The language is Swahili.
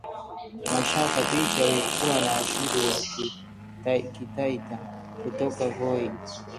Mashaka, binti aliyekuwa na asili ya kitaita kutoka Voi